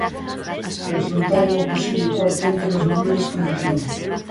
E afrontar unha posible cuarta onda nas mellores condicións.